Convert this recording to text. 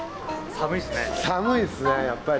寒いですねやっぱり。